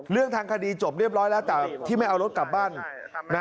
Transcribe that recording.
เรื่องทางคดีจบเรียบร้อยแล้วแต่ที่ไม่เอารถกลับบ้านนะ